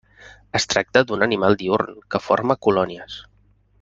Es tracta d'un animal diürn que forma colònies.